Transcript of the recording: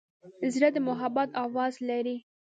زړه د محبت آواز لري.